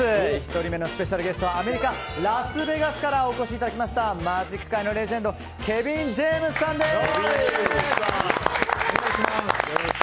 １人目のスペシャルゲストはアメリカ・ラスベガスからお越しいただきましたマジック界のレジェンドケビン・ジェームスさんです。